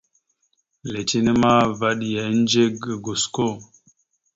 Letine ma, vaɗ ya ehədze ga gosko.